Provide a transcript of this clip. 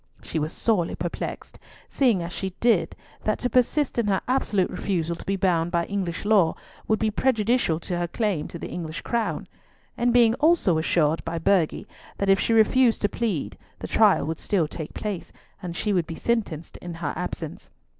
She was sorely perplexed, seeing as she did that to persist in her absolute refusal to be bound by English law would be prejudicial to her claim to the English crown, and being also assured by Burghley that if she refused to plead the trial would still take place, and she would be sentenced in her absence.